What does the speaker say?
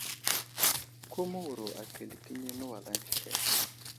Ku məwuro akəle kəni nəwalaŋ tsəhed.